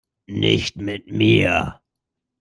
Nicht mit mir!